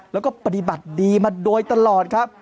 แล้วก็ปฏิบัติดีมาโดยตลอดครับ